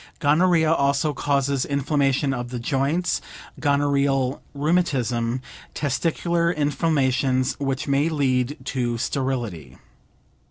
Gonorrhea also causes inflammation of the joints, gonorrheal rheumatism, testicular inflammations which may lead to sterility.